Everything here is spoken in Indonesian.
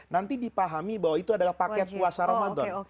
nanti dipahami bahwa itu adalah paket puasa ramadan